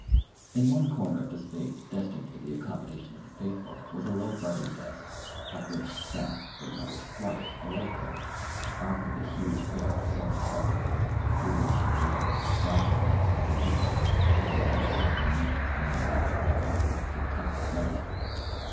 In one corner of the space destined for the accommodation of the faithful was a low writing desk, at which sat, or rather squatted, a lay clerk, armed with a huge pair of horn spectacles, through which he glared, goblin like, at the people, as they came to have their names and the amount of their offerings to the temple registered.